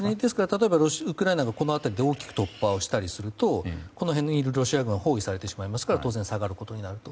例えばウクライナがこの辺りで大きく突破をすることになると包囲されてしまいますから当然、下がることになると。